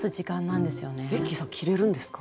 ベッキーさんキレるんですか？